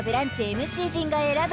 ＭＣ陣が選ぶ